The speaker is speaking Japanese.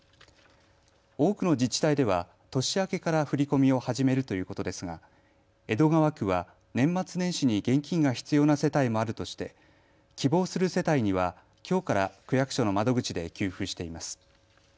多くの自治体では年明けから振り込みを始めるということですが江戸川区は年末年始に現金が必要な世帯もあるとして希望する世帯にはきょうから区役所の窓口で給付しています。